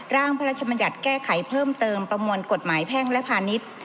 ร่างพระราชมัญญัติแก้ไขเพิ่มเติมประมวลกฎหมายแพ่งและพาณิชย์